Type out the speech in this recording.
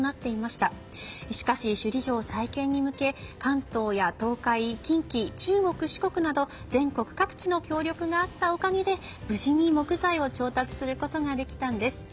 しかし、首里城再建に向け関東や東海、近畿中国・四国など全国各地の協力があったおかげで無事に木材を調達することができたんです。